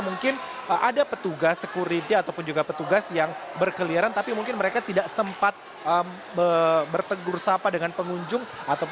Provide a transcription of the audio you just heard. mungkin ada petugas security ataupun juga petugas yang berkeliaran tapi mungkin mereka tidak sempat bertegur sapa dengan pengunjung